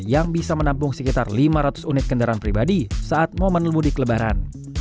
yang bisa menampung sekitar lima ratus unit kendaraan pribadi saat momen mudik lebaran